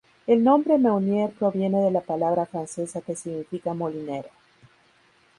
El nombre "meunier" proviene de la palabra francesa que significa "molinero".